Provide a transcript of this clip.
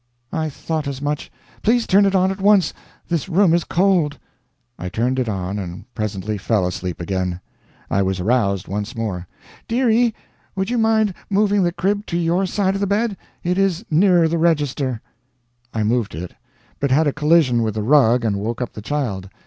"I thought as much. Please turn it on at once. This room is cold." I turned it on, and presently fell asleep again. I was aroused once more: "Dearie, would you mind moving the crib to your side of the bed? It is nearer the register." I moved it, but had a collision with the rug and woke up the child.